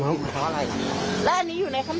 เขาตอบกับคำอยู่รอเทศอีก๓เท่าไหร่อยู่ครับ